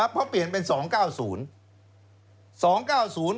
เพราะเปลี่ยนเป็น๒๙๐